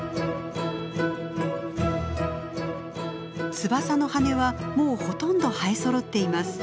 翼の羽根はもうほとんど生えそろっています。